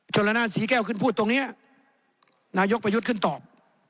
ละนานศรีแก้วขึ้นพูดตรงนี้นายกประยุทธ์ขึ้นตอบ